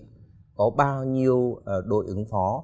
có bao nhiêu đội ứng phó